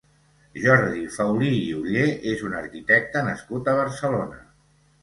Jordi Faulí i Oller és un arquitecte nascut a Barcelona.